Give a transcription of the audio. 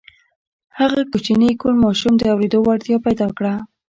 هغه کوچني کوڼ ماشوم د اورېدو وړتيا پيدا کړه.